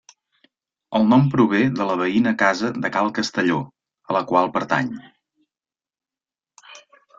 El nom prové de la veïna casa de Cal Castelló, a la qual pertany.